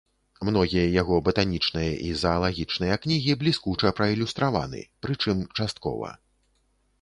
Многія яго батанічныя і заалагічныя кнігі бліскуча праілюстраваны, прычым часткова.